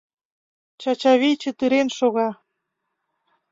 Чачавий чытырен шога.